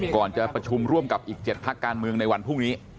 ก่อนจะประชุมร่วมกับอีก๗พักการเมืองในวันพรุ่งนี้